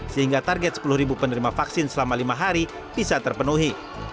sehingga target sepuluh penerima vaksin selama lima hari bisa terpenuhi